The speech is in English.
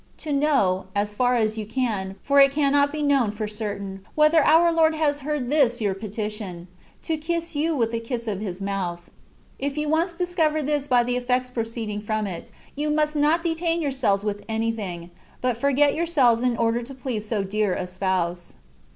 to know (as far as you can, for it cannot be known for certain) whether our Lord has heard this your petition, ''to kiss you with the kiss of His mouth.'' If you once discover this by the effects proceeding from it, you must not detain yourselves i^th anything, but forget your selves in order to please so dear a Spouse.